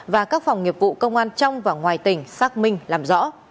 và các phòng nghiệp vụ công an trong và ngoài tỉnh xác minh làm rõ